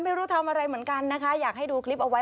ไม่รู้ทำอะไรเหมือนกันนะคะอยากให้ดูคลิปเอาไว้